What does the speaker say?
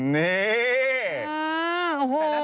นี่